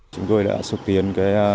chúng tôi đã xuất tiến cái